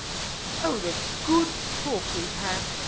Oh, the good talk we've had!